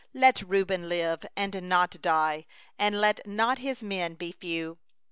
6Let Reuben live, and not die In that his men become few.